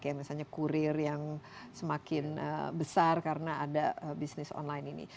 kayak misalnya kurir yang semakin besar karena ada bisnis online ini